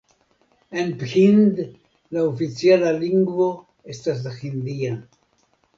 En Bhind la oficiala lingvo estas la hindia.